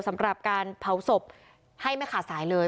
สำหรับการเผาศพให้ไม่ขาดสายเลย